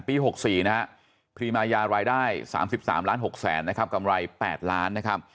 ปี๖๔นะฮะพรีมายารายได้๓๓ล้าน๖แสนนะครับกำไร๘ล้านนะครับ